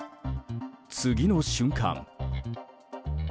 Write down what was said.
次の瞬間。